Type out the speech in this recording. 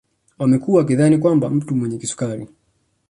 Wamekuwa wakidhani kwamba mtu mwenye kisukari